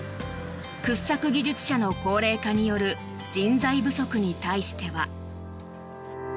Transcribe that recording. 掘削技術者の高齢化による人材不足に対しては。